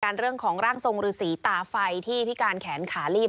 เรื่องของร่างทรงฤษีตาไฟที่พิการแขนขาลีบ